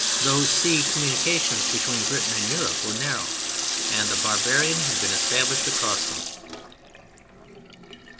Those sea communications between Britain and Europe were narrow—and the barbarian had been established across them.